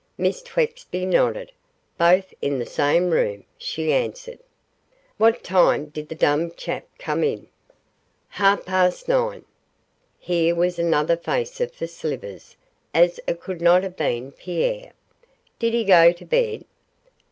Miss Twexby nodded. 'Both in the same room,' she answered. 'What time did the dumb chap come in?' 'Half past nine.' Here was another facer for Slivers as it could not have been Pierre. 'Did he go to bed?